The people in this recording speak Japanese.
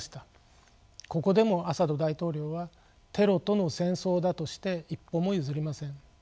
ここでもアサド大統領はテロとの戦争だとして一歩も譲りません。